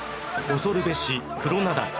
恐るべしクロナダル